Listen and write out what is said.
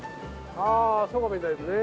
ああそうみたいですね。